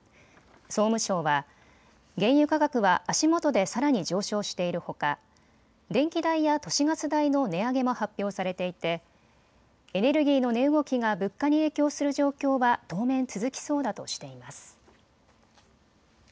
総務省は原油価格は足元でさらに上昇しているほか電気代や都市ガス代の値上げも発表されていてエネルギーの値動きが物価に影響する状況は当面続きそうだとしています。